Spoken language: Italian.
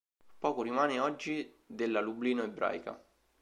Poco rimane oggi della Lublino ebraica.